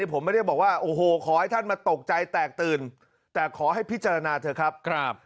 ผมไม่ได้บอกว่าโอ้โหขอให้ท่านมาตกใจแตกตื่นแต่ขอให้พิจารณาเถอะครับ